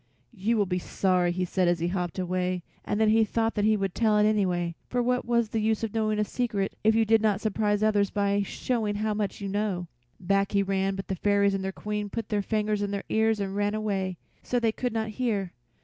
"You will be sorry," he said as he hopped away, and then he thought he would tell it, anyway, for what was the use of knowing a secret if you did not surprise others by showing how much you know. Back he ran, but the fairies and their Queen put their fingers in their ears and ran away, so they could not hear.